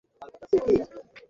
তারা এই চিত্র দেখেছে কিনা?